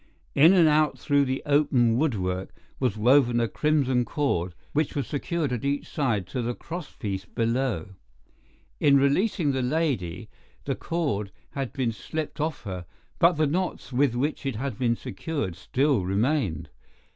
In and out through the open woodwork was woven a crimson cord, which was secured at each side to the crosspiece below. In releasing the lady, the cord had been slipped off her, but the knots with which it had been secured still remained.